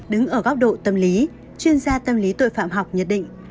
đứng ở góc độ tâm lý chuyên gia tâm lý tội phạm học nhận định